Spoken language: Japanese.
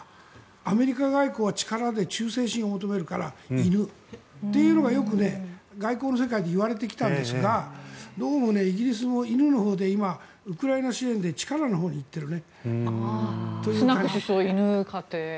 アメリカ外交は力で忠誠心を求めるから犬というのがよく外交の世界でいわれてきたんですがどうもイギリスも犬のほうで今、ウクライナ支援で力のほうに行っているね。